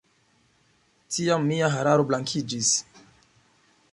Tiam mia hararo blankiĝis.